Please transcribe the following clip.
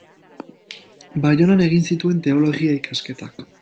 Baionan egin zituen teologia ikasketak.